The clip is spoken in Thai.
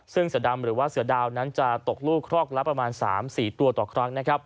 ซึ่งเสือดำหรือว่าเสือดาวนั้นจะตกลูกครอกละประมาณ๓๔ตัวต่อครั้ง